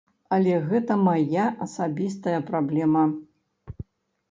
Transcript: Але гэта мая асабістая праблема.